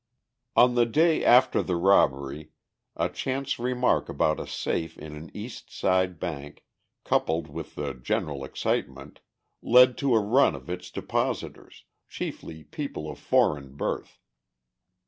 On the day after the robbery a chance remark about a safe in an East Side bank, coupled with the general excitement, led to a run of its depositors, chiefly people of foreign birth.